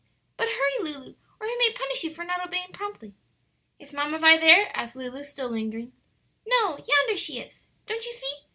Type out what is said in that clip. But hurry, Lulu, or he may punish you for not obeying promptly." "Is Mamma Vi there?" asked Lulu, still lingering. "No; yonder she is; don't you see?"